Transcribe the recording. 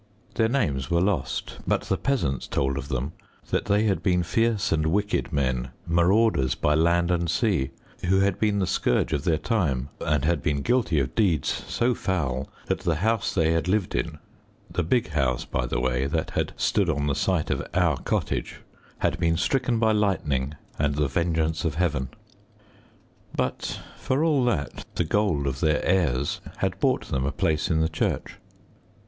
Their names were lost, but the peasants told of them that they had been fierce and wicked men, marauders by land and sea, who had been the scourge of their time, and had been guilty of deeds so foul that the house they had lived in the big house, by the way, that had stood on the site of our cottage had been stricken by lightning and the vengeance of Heaven. But for all that, the gold of their heirs had bought them a place in the church.